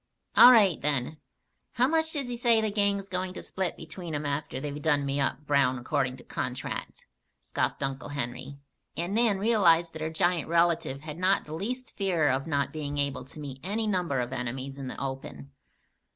"All right, then. How much does he say the gang's going to split between 'em after they've done me up brown according to contract?" scoffed Uncle Henry, and Nan realized that her giant relative had not the least fear of not being able to meet any number of enemies in the open.